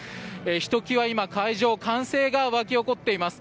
ひときわ今、会場歓声が沸き上がっています。